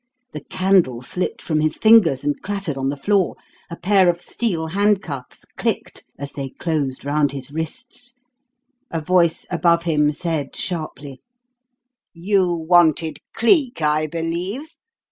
The candle slipped from his fingers and clattered on the floor, a pair of steel handcuffs clicked as they closed round his wrists, a voice above him said sharply: "You wanted Cleek I believe?